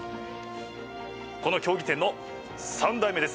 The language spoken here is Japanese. この経木店の３代目です。